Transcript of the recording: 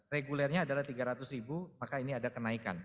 regulernya adalah tiga ratus ribu maka ini ada kenaikan